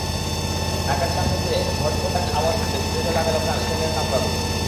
নাকের সামনে দিয়ে ঘট্-ঘটাং আওয়াজ তুলে ছুটে চলে গেল ট্রেনের কামরাগুলো।